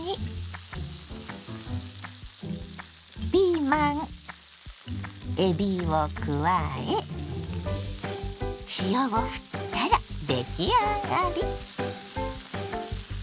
ピーマンえびを加え塩をふったら出来上がり。